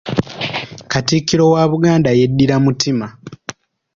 Katikkiro wa Buganda yeddira mutima.